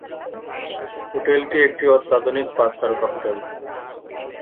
হোটেলটি একটি অত্যাধুনিক পাঁচ তারকা হোটেল।